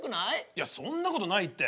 いやそんなことないって。